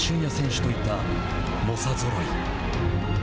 手といった猛者ぞろい。